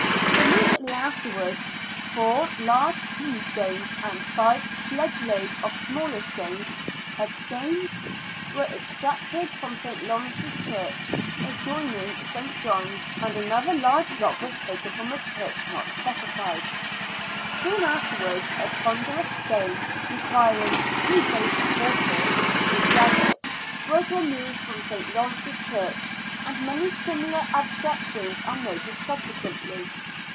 Immediately afterwards four large tombstones and five sledge loads of smaller stones (head stones ?) were extracted from St. Lawrence's Church, adjoining St. John's, and another large block was taken from a church not specified. Soon afterwards a ponderous stone, re quiring " two brace of horses " to drag it, was removed from St. Lawrence's Church, and many similar abstractions are noted subsequently.